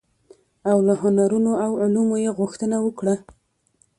او له هنرونو او علومو يې غوښتنه وکړه،